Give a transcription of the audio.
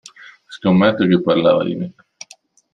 Scommetto che parlavate di me.